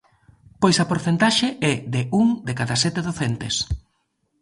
Pois a porcentaxe é de un de cada sete docentes.